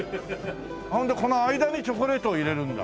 ほんでこの間にチョコレートを入れるんだ。